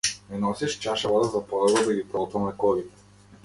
Ми носиш чаша вода за подобро да ги проголтам лековите.